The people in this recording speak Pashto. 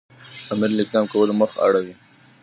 امیر له اقدام کولو مخ اړوي.